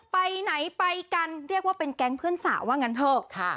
ไปไหนไปกันเรียกว่าเป็นแก๊งเพื่อนสาวว่างั้นเถอะ